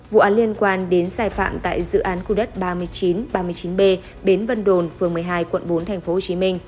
vụ án liên quan đến sai phạm tại dự án khu đất ba nghìn chín trăm ba mươi chín b bến vân đồn phường một mươi hai quận bốn tp hcm